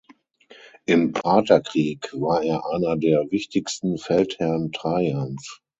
Im Partherkrieg war er einer der wichtigsten Feldherrn Trajans.